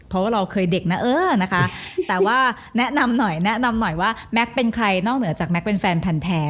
เพราะว่าเราเคยเด็กนะเออนะคะแต่ว่าแนะนำหน่อยแนะนำหน่อยว่าแม็กซ์เป็นใครนอกเหนือจากแก๊กเป็นแฟนพันธ์แท้